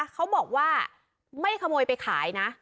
เขาบอกว่าไม่ขโมยไปขายนะ